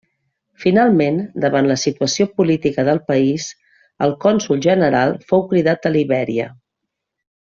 Finalment, davant la situació política del país, el cònsol general fou cridat a Libèria.